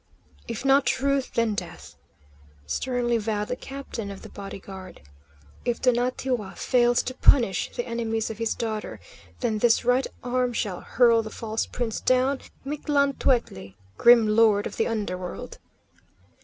"If not truth, then death!" sternly vowed the captain of the body guard. "If Tonatiuh fails to punish the enemies of his daughter, then this right arm shall hurl the false prince down to Mictlanteuctli, grim lord of the under world!"